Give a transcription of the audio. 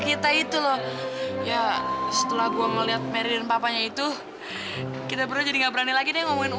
kita itu loh ya setelah gua melihat mary dan papanya itu kita berdua jadi nggak berani lagi